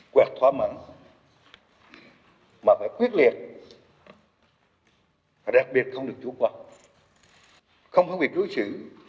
quẹt thoá mẳng mà phải quyết liệt đặc biệt không được chủ quật không có việc đối xử